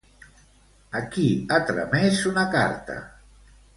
A qui ha tramès una carta?